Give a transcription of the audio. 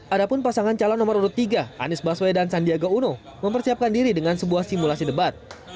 ada pun pasangan calon nomor urut tiga anies baswedan sandiaga uno mempersiapkan diri dengan sebuah simulasi debat